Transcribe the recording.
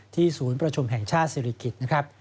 ศูนย์ประชุมแห่งชาติศิริกิจนะครับ